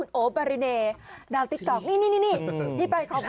จริงปะเนี่ย